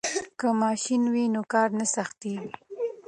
که ماشین وي نو کار نه سختیږي.